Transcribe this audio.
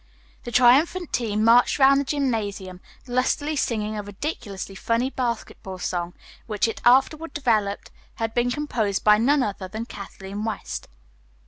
The triumphant team marched around the gymnasium, lustily singing a ridiculously funny basketball song which it afterward developed had been composed by none other than Kathleen West.